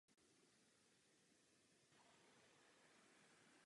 Všechny tyto pozměňovací návrhy byly socialisticko-konzervativní aliancí zamítnuty.